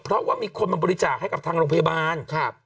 เพราะว่ามีคนมาบริจาคให้กับทางโรงพยาบาลครับ